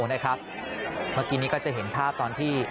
เมื่อกี้นี้ก็จะเห็นภาพตอนที่